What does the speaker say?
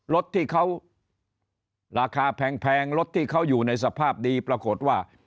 รถที่เขาราคาแพงรถที่เขาอยู่ในสภาพดีปรากฏว่า